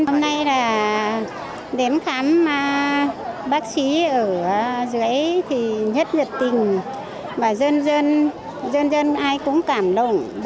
hôm nay là đến khám bác sĩ ở dưới thì nhất nhật tình và dân dân dân dân ai cũng cảm động